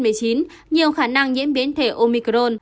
nhiều khả năng nhiễm biến thể omicron